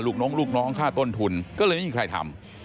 น้องลูกน้องค่าต้นทุนก็เลยไม่มีใครทำ